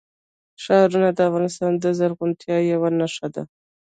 ښارونه د افغانستان د زرغونتیا یوه نښه ده.